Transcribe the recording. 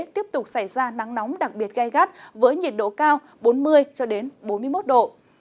tiếp tục xảy ra nắng nóng đặc biệt gai gắt với nhiệt độ cao bốn mươi cho đến bốn mươi một độ